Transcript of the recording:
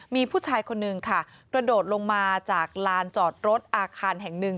มีผู้ชายคนนึงค่ะกระโดดลงมาจากลานจอดรถอาคารแห่งหนึ่ง